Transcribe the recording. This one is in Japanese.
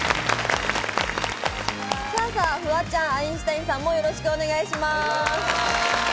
フワちゃん、アインシュタインさんもよろしくお願いします。